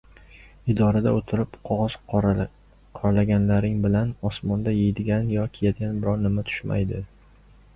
Idorada o‘tirib qog‘oz qoralaganlaring bilan osmondan yeydigan, yo, kiyadigan biror nima tushmaydi!